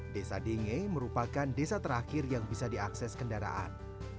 desa denge merupakan desa terakhir yang bisa diakses kendaraan